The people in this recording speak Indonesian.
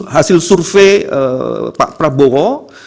hasil survei pak prabowo